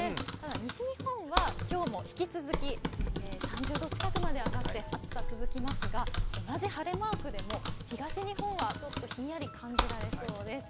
西日本は今日も引き続き３０度近くまで上がって暑さ続きますが、同じ晴れマークでも東日本はちょっとひんやり感じられそうです。